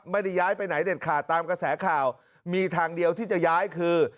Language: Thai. ไม่ได้ย้ายไปไหนเด็ดขาดตามกระแสข่าวมีทางเดียวที่จะย้ายคือ